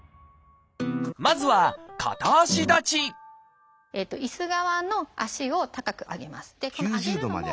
まずはいす側の足を高く上げます。